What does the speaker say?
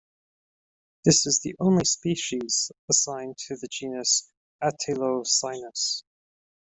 This is the only species assigned to the genus Atelocynus.